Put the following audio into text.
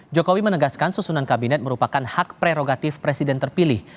jokowi menegaskan susunan kabinet merupakan hak prerogatif presiden terpilih